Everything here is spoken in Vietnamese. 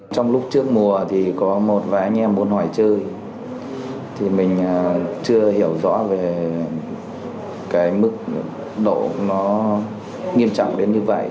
trong lúc trước mùa thì có một vài anh em muốn hỏi chơi thì mình chưa hiểu rõ về cái mức độ nó nghiêm trọng đến như vậy